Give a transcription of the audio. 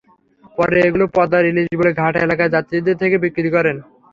পরে এগুলো পদ্মার ইলিশ বলে ঘাট এলাকায় যাত্রীদের কাছে বিক্রি করেন।